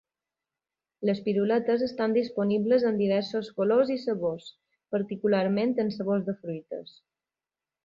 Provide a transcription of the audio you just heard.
Les piruletes estan disponibles en diversos colors i sabors, particularment en sabors de fruites.